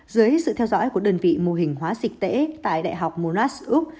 dưới sự theo dõi của đơn vị mô hình hóa dịch tễ tại đại học monoras úc